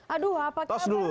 aduh apa keadaan nih